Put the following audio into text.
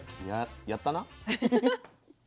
やったな。